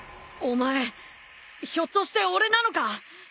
お前ひょっとして俺なのか！？